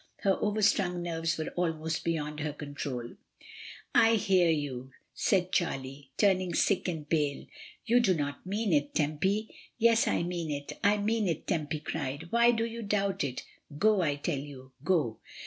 Her overstrung nerves were almost beyond her control. "I hear you," said Charlie, turning sick and pale; "you do not mean it, Tempy." "Yes, I mean it, I mean it," Tempy cried. "Why do you doubt it? Go, I tell you; go."